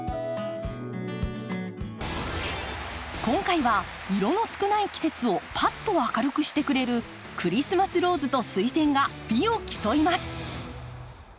今回は色の少ない季節をパッと明るくしてくれるクリスマスローズとスイセンが美を競います。